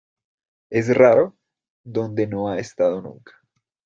es raro. donde no ha estado nunca